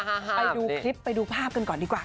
ไปดูคลิปไปดูภาพกันก่อนดีกว่า